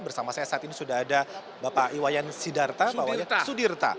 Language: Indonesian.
bersama saya saat ini sudah ada bapak iwayan sidartawan sudirta